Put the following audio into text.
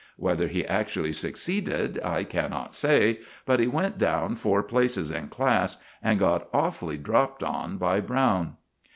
Whether he actually succeeded I cannot say, but he went down four places in class, and got awfully dropped on by Browne.